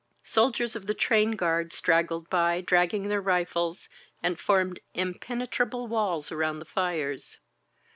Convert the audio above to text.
Sol diers of the train guard straggled by, dragging their rifles, and formed impenetrable walls around the fires.